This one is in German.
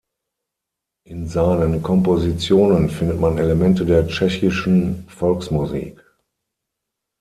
In seinen Kompositionen findet man Elemente der tschechischen Volksmusik.